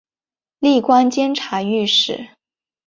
历官监察御史。